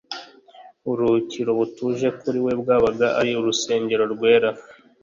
Uburuhukiro butuje kuri we bwabaga ari urusengero rwera.